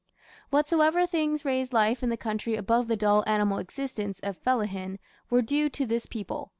Whatsoever things raised life in the country above the dull animal existence of fellahin were due to this people....